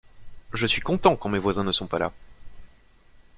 Je suis content quand mes voisins ne sont pas là.